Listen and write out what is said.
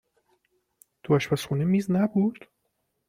تو آشپزخونه میز نبود؟